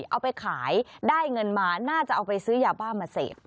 เอาไปขายได้เงินมาน่าจะเอาไปซื้อยาบ้ามาเสพ